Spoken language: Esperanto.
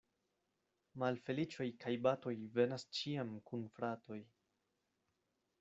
Malfeliĉoj kaj batoj venas ĉiam kun fratoj.